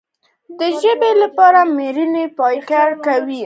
د ژبې لپاره مېړانه پکار ده.